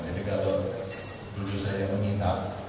jadi kalau dulu saya mengintam